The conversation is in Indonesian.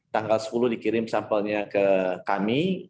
tanggal sepuluh dikirim sampelnya ke kami